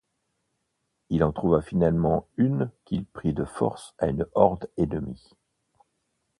Il en trouva finalement une qu’il prit de force à une horde ennemie.